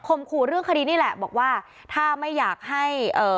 ขู่เรื่องคดีนี่แหละบอกว่าถ้าไม่อยากให้เอ่อ